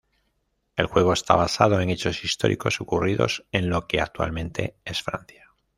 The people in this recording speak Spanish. El juego está basado en hechos históricos ocurridos en lo que actualmente es Francia.